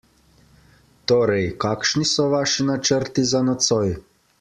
Torej, kakšni so vaši načrti za nocoj?